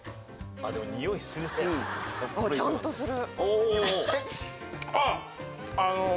ちゃんとする。